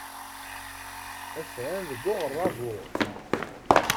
Atan deg uɣerrabu.